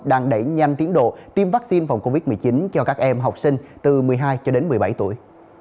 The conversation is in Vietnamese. đang đẩy nhanh tiến độ tiêm vaccine phòng covid một mươi chín cho các em học sinh từ một mươi hai cho đến một mươi bảy tuổi